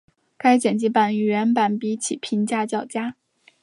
该剪辑版与原版比起评价较佳。